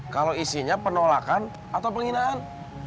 kalau isinya penolakan atau penghinaan